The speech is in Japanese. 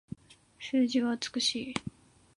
数字は美しい